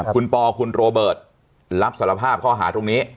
คุณปอคุณโรเบิร์ตรับสารภาพข้อหาตรงนี้